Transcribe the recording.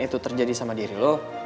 itu terjadi sama diri lo